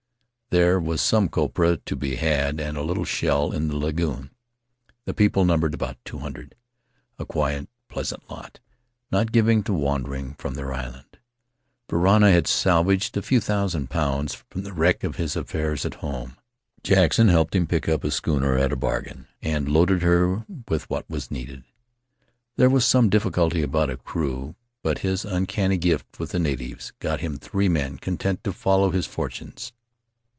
There was some copra to be had and a little shell in the lagoon ; the people numbered about two hundred, a quiet, pleasant lot, not given to wandering from their island. Varana had salvaged a few thousand pounds from the wreck of his affairs at home; Jackson helped him pick up a schooner at a bargain and load her with what was needed; there was some difficulty about a crew, but his uncanny gift with the natives got him three men content to follow his fortunes.